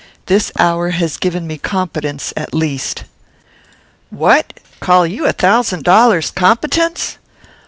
This hour has given me competence, at least." "What! call you a thousand dollars competence?"